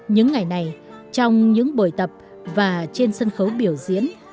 những ngày này trong những buổi tập và trên sân khấu biểu diễn